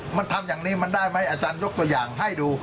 มันทำอย่างนี้มันได้ไหมอาจารยกตัวอย่างให้ดู